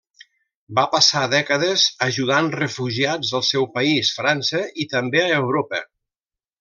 Va passar dècades ajudant refugiats al seu país, França, i també a Europa.